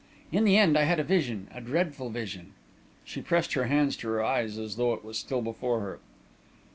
In the end, I had a vision a dreadful vision." She pressed her hands to her eyes, as though it was still before her.